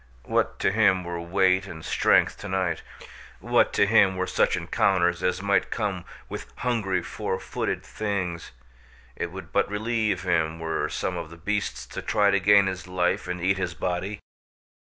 What to him were weight and strength to night? What to him were such encounters as might come with hungry four footed things? It would but relieve him were some of the beasts to try to gain his life and eat his body.